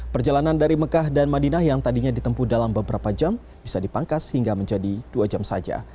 perjalanan dari mekah dan madinah yang tadinya ditempuh dalam beberapa jam bisa dipangkas hingga menjadi dua jam saja